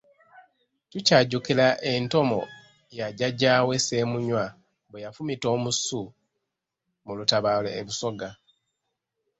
Tukyajjukira entomo ya jjajjaawe Ssemunywa bwe yafumita omusu mu lutabaalo e Busoga.